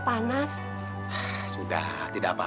kena luar biasa